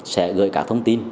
sẽ gửi các thông tin